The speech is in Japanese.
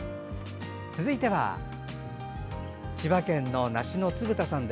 続いては千葉県の梨のつぶ太さん。